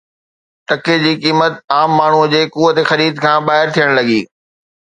ٽڪي جي قيمت عام ماڻهوءَ جي قوت خرید کان ٻاهر ٿيڻ لڳي